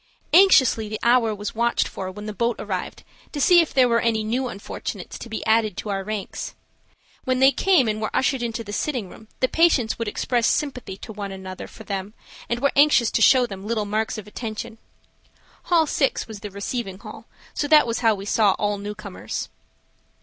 Anxiously the hour was watched for when the boat arrived to see if there were any new unfortunates to be added to our ranks. When they came and were ushered into the sitting room the patients would express sympathy to one another for them and were anxious to show them little marks of attention. Hall 6 was the receiving hall, so that was how we saw all newcomers.